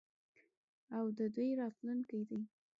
او د دوی راتلونکی دی.